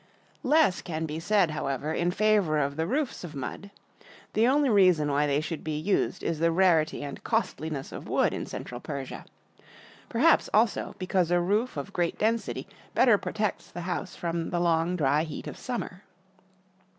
Less can be said, however, in favor of the roofs of mud. The only reason why they should be used is the rarity and costliness of wood in central Persia ; perhaps, also, because a roof of great density better protects the 447 PERSIA house from the long dry heat of summer.